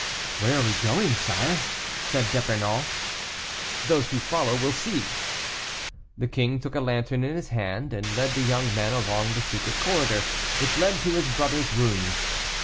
"Where are we going, sire?" said D'Epernon. "Those who follow will see." The king took a lantern in his hand, and led the young men along the secret corridor, which led to his brother's rooms.